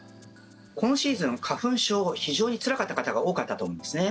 今シーズン、花粉症非常につらかった方が多かったと思うんですね。